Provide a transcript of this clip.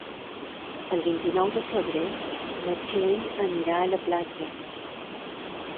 El vint-i-nou de febrer na Txell anirà a la platja.